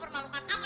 oe gak bohong tau